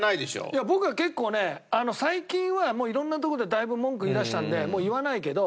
いや僕は結構ね最近は色んなとこでだいぶ文句言いだしたんでもう言わないけど。